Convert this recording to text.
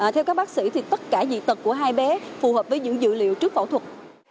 theo các bác sĩ thì tất cả dị tật của hai bé phù hợp với những dữ liệu trước phẫu thuật